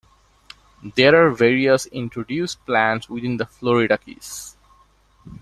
There are various introduced plants within the Florida Keys.